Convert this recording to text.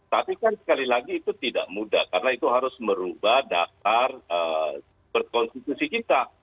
tapi kan sekali lagi itu tidak mudah karena itu harus merubah daftar berkonstitusi kita